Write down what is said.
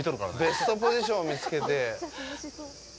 ベストポジションを見つけて。